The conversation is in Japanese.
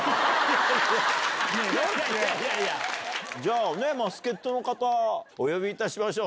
じゃあ助っ人の方お呼びしましょう。